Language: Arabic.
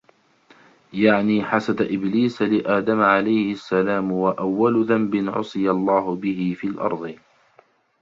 يَعْنِي حَسَدَ إبْلِيسَ لِآدَمَ عَلَيْهِ السَّلَامُ وَأَوَّلُ ذَنْبٍ عُصِيَ اللَّهُ بِهِ فِي الْأَرْضِ